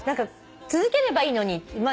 続ければいいのに。